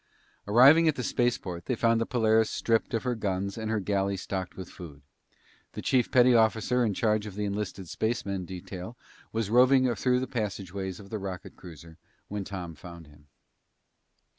Arriving at the spaceport, they found the Polaris stripped of her guns and her galley stocked with food. The chief petty officer in charge of the enlisted spacemen detail was roving through the passageways of the rocket cruiser when Tom found him.